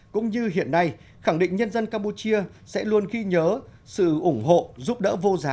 cũng như hiện nay khẳng định nhân dân campuchia sẽ luôn ghi nhớ sự ủng hộ giúp đỡ vô giá